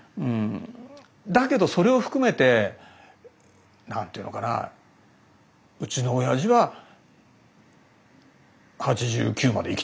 だけどそれを含めて何ていうのかなうちのおやじは８９まで生きたよね。